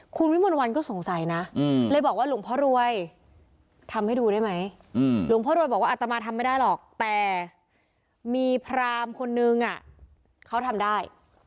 คุณวิมนต์วันก็สงสัยนะเลยบอกว่าหลวงพ่อรวยทำให้ดูได้ไหมหลวงพ่อรวยบอกว่าอัตมาทำไม่ได้หรอกแต่มีพรามคนนึงเขาทำได้